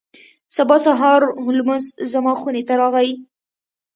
سبا سهار هولمز زما خونې ته راغی.